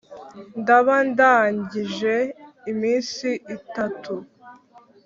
ndaba ndangije iminsi itatu